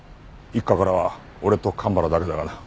一課からは俺と蒲原だけだがな。